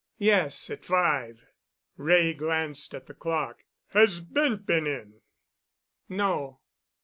"Yes, at five." Wray glanced at the clock. "Has Bent been in?" "No."